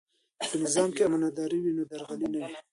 که په نظام کې امانتداري وي نو درغلي نه وي.